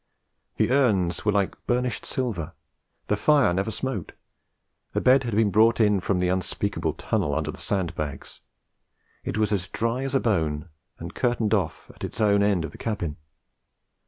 The urns were like burnished silver. The fire never smoked. The bed had been brought in from the unspeakable tunnel under the sand bags; it was as dry as a bone, and curtained off at its own end of the cabin.